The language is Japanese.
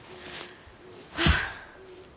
はあ。